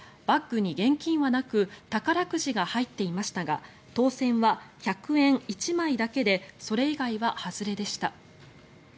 バッグに現金はなく宝くじが入っていましたが当選は１００円１枚だけでそれ以外は外れでした。